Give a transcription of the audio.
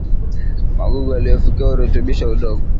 magugu yaliyofukiwa hurutubisha udongo